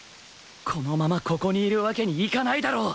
このままここにいるわけにいかないだろう